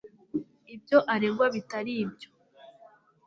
ibyo aregwa bitari byo.